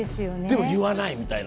でも言わないみたいなな。